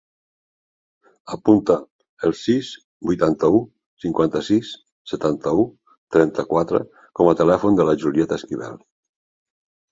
Apunta el sis, vuitanta-u, cinquanta-sis, setanta-u, trenta-quatre com a telèfon de la Julieta Esquivel.